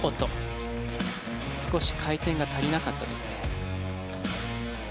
少し回転が足りなかったですね。